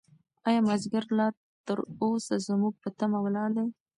ایا مازیګر لا تر اوسه زموږ په تمه ولاړ دی؟